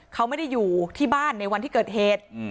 เขาไม่ได้อยู่ที่บ้านในวันที่เกิดเหตุ